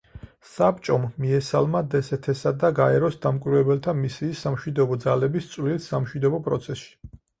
საბჭომ მიესალმა დსთ-სა და გაეროს დამკვირვებელთა მისიის სამშვიდობო ძალების წვლილს სამშვიდობო პროცესში.